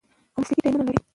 او مسلکي ټیمونه لري،